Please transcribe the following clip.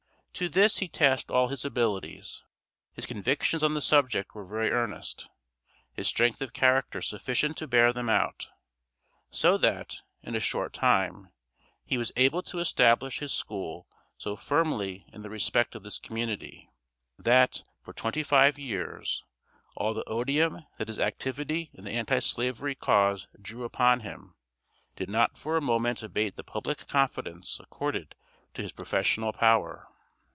To this he tasked all his abilities. His convictions on the subject were very earnest; his strength of character sufficient to bear them out; so that, in a short time, he was able to establish his school so firmly in the respect of this community, that, for twenty five years, all the odium that his activity in the Anti slavery cause drew upon him did not for a moment abate the public confidence accorded to his professional power.